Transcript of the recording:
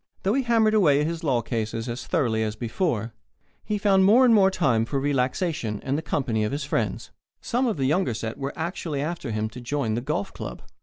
Though he hammered away at his law cases as thoroughly as ever, he found more time for relaxation and the company of his friends. Some of the younger set were actually after him to join the golf club.